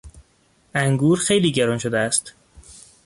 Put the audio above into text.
انگور خیلی گران شده است.